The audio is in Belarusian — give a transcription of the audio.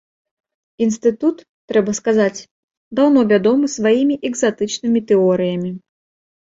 Інстытут, трэба сказаць, даўно вядомы сваімі экзатычнымі тэорыямі.